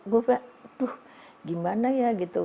gue bilang aduh gimana ya gitu